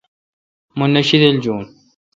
مہ نہ شیدل جون۔